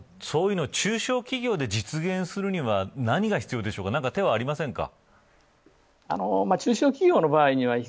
そういうのを中小企業で実現するには何が必要でしょうか何か手はありませんか。